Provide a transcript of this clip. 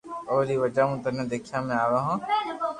اي ري وجھ مون ٿني ديکيا ۾ آوو ھون